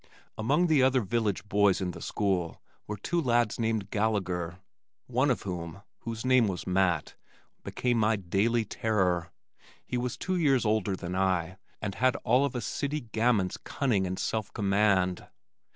Among the other village boys in the school were two lads named Gallagher, one of whom, whose name was Matt, became my daily terror. He was two years older than I and had all of a city gamin's cunning and self command.